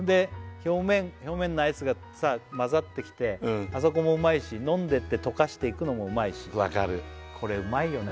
表面のアイスがさ混ざってきてあそこもうまいし飲んでって溶かしていくのもうまいし分かるこれうまいよね